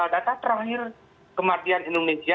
data terakhir kematian indonesia